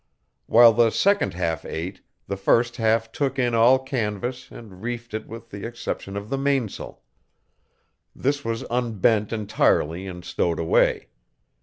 While the second half ate, the first half took in all canvas and reefed it with the exception of the mainsail. This was unbent entirely and stowed away.